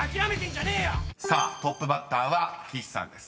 ［さあトップバッターは岸さんです］